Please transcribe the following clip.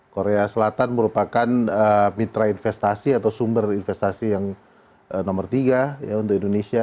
korea selatan merupakan mitra investasi atau sumber investasi yang nomor tiga untuk indonesia